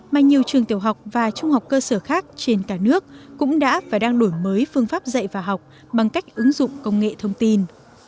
mà nhiều trường tiểu học và trung học cơ sở khác trên cả nước cũng đã và đang đổi mới phương pháp dạy và học bằng cách ứng dụng công nghệ thông tin